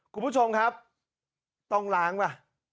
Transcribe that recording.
คุณผู้ชมครับต้องล้างป่ะ